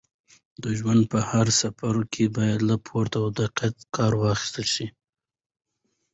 د ژوند په هر سفر کې باید له پوره دقت څخه کار واخیستل شي.